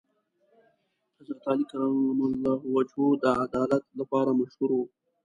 حضرت علی کرم الله وجهه د عدالت لپاره مشهور و.